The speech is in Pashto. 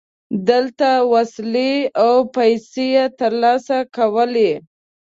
دلته وسلې او پیسې ترلاسه کولې.